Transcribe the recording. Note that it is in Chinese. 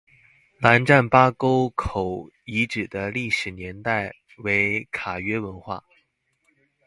兰占巴沟口遗址的历史年代为卡约文化。